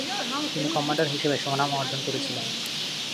তিনি কমান্ডার হিসেবে সুনাম অর্জন করেছিলেন।